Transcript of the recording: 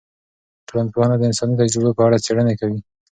ټولنپوهنه د انساني تجربو په اړه څیړنې کوي.